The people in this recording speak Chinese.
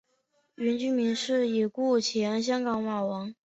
原居民是已故前香港马王。